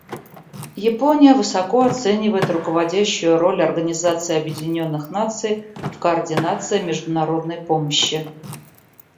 Япония высоко оценивает руководящую роль Организации Объединенных Наций в координации международной помощи.